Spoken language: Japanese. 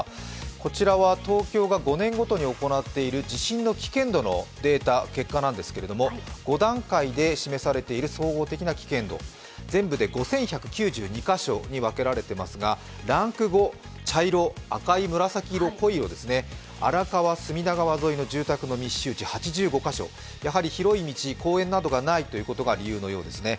こちらは東京が５年ごとに行っている地震の危険度のデータ結果なんですけれども、５段階で示される総合的な危険度、全部で５１９２か所に分けられていますがランク５、茶色、荒川、隅田川沿いの住宅の密集地８５か所、やはり広い道、公園などがないということが理由のようですね。